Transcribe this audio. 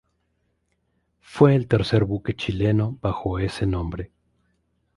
Fue el tercer buque chileno bajo ese nombre.